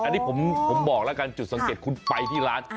อันนี้ผมบอกแล้วกันจุดสังเกตคุณไปที่ร้าน